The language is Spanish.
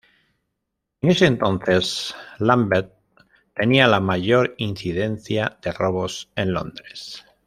En ese entonces Lambeth tenía la mayor incidencia de robos en Londres.